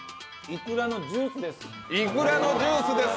いくらのジュースです。